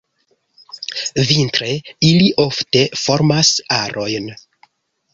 Vintre ili ofte formas arojn.